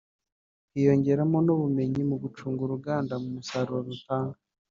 hiyongeramo n’ubumenyi mu gucunga uruganda n’umusaruro rutanga